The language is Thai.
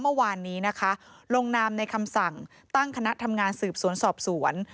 เมื่อวานนี้นะคะลงนามในคำสั่งตั้งคณะทำงานสืบสวนสอบสวน